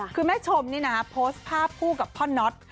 คือแม่ชมนี่นะโพสต์ภาพคู่กับพ่อน็อต